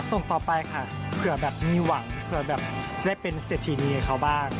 ส่งต่อไปค่ะเผื่อแบบมีหวังเผื่อแบบจะได้เป็นเศรษฐีนีให้เขาบ้าง